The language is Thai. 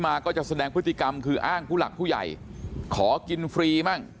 ก็จะแสดงพฤติกรรมคืออ้างผู้หลักผู้ใหญ่ขอกินฟรีมั่ง